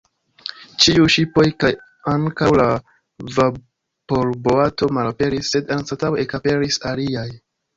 Ĉiuj ŝipoj kaj ankaŭ la vaporboato malaperis, sed anstataŭe ekaperis aliaj.